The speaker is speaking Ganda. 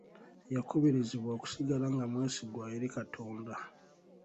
Yakubirizibwa okusigala nga mwesigwa eri Katonda.